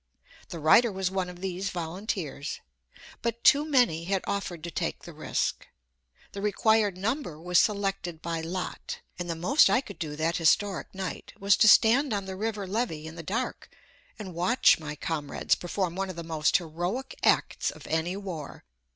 The writer was one of these volunteers. But too many had offered to take the risk. The required number was selected by lot, and the most I could do that historic night was to stand on the river levee in the dark and watch my comrades perform one of the most heroic acts of any war.